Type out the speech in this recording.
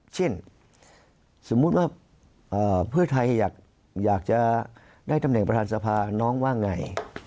เช่นสมมุติว่าเพื่อไทยอยากจะได้ตำแหน่งประธานสภาน้องว่าไง